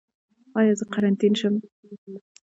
ایا زه قرنطین شم؟